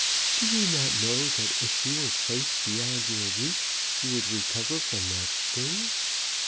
Do you not know that if she were placed beyond your reach you would recover from that sting?